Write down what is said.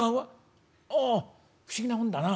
「ああ不思議なもんだな。